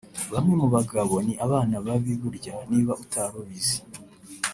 Bamwe mu bagabo ni abana babi burya niba utarubizi